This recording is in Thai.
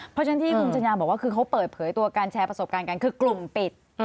เพราะฉะนั้นที่คุณชัญญาบอกว่าคือเขาเปิดเผยตัวการแชร์ประสบการณ์กันคือกลุ่มปิด